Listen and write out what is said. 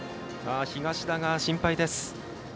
東田が心配です。